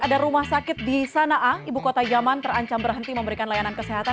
ada rumah sakit di sana a ibu kota yaman terancam berhenti memberikan layanan kesehatan